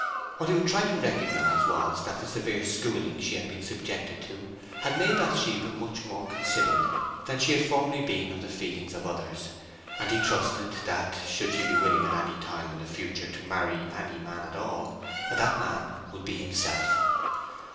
What he would try to recognize was that the severe schooling she had been subjected to had made Bathsheba much more considerate than she had formerly been of the feelings of others, and he trusted that, should she be willing at any time in the future to marry any man at all, that man would be himself.